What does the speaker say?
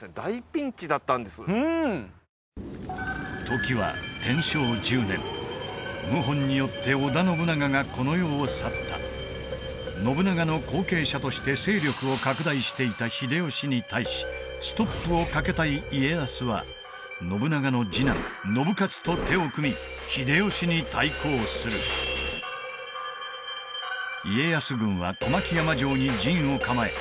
時は天正１０年謀反によって織田信長がこの世を去った信長の後継者として勢力を拡大していた秀吉に対しストップをかけたい家康は信長の次男信雄と手を組み秀吉に対抗する家康軍は小牧山城に陣を構え